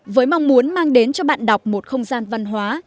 với mong muốn mang đến cho bạn đọc một không gian văn hóa